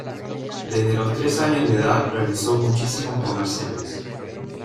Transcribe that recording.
Desde los tres años de edad realizó muchísimos comerciales.